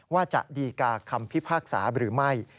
ว่าจะดีกาคำพิพากษาหรือไม่